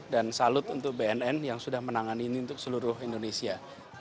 dan salut untuk bnn yang sudah menangani ini untuk seluruh indonesia